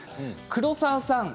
黒沢さん